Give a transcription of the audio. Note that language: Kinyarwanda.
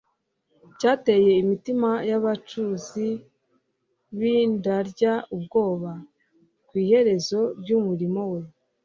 cyateye imitima y’abacuruzi b’indarya ubwoba. Ku iherezo ry’umurimo we,